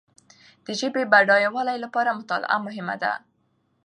د ژبي بډایوالي لپاره مطالعه مهمه ده.